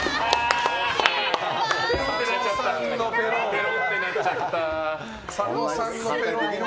ぺろってなっちゃった。